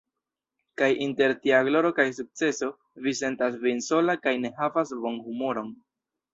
Kaj inter tia gloro kaj sukceso Vi sentas Vin sola kaj ne havas bonhumoron!